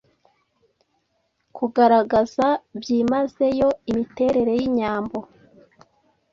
kugaragaza by'imazeyo imiterere y'inyambo.